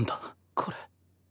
これ。